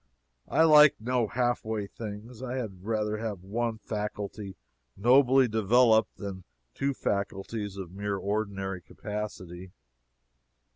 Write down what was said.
I like no half way things. I had rather have one faculty nobly developed than two faculties of mere ordinary capacity.